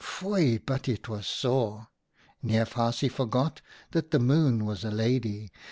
" Foei ! but it was sore ! Neef Haasje forgot that the Moon was a Lady.